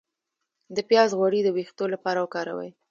د پیاز غوړي د ویښتو لپاره وکاروئ